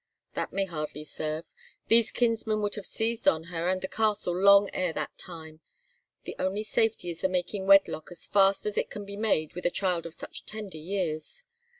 "That may hardly serve. These kinsmen would have seized on her and the castle long ere that time. The only safety is the making wedlock as fast as it can be made with a child of such tender years.